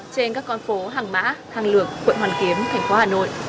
trên các con phố hàng mã hàng lược quận hoàn kiếm thành phố hà nội